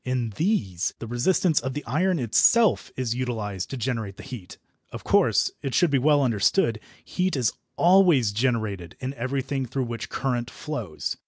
In these the resistance of the iron itself is utilised to generate the heat. Of course, it should be well understood, heat is always generated in everything through which current flows.